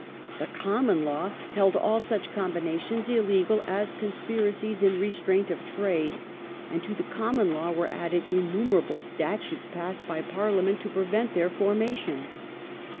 1 The Common Law held all such combinations illegal as " conspiracies in restraint of trade," and to the Common Law were added innumerable Statutes passed by Parliament to prevent their formation.